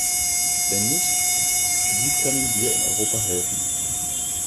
Wenn nicht, wie können wir in Europa helfen?